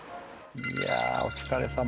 いやお疲れさま。